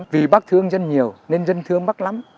vì bác thương dân nhiều nên dân thương mắc lắm